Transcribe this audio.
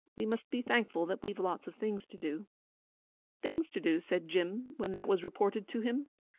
We must be thankful that we've lots of things to do.' 'Things to do!' said Jim, when that was reported to him.